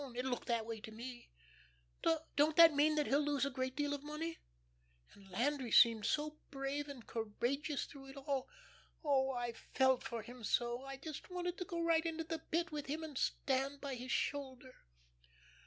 It looked that way to me. Don't that mean that he'll lose a great deal of money? And Landry seemed so brave and courageous through it all. Oh, I felt for him so; I just wanted to go right into the Pit with him and stand by his shoulder."